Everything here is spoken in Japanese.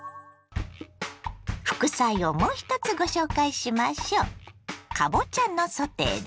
副菜をもう１つご紹介しましょう。